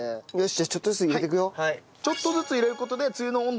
じゃあちょっとずつ入れていくよ。